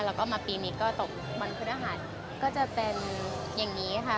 แล้วก็มาปีนี้ก็ตกวันพฤหัสก็จะเป็นอย่างนี้ค่ะ